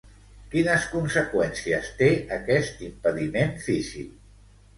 Quines conseqüències té aquest impediment físic?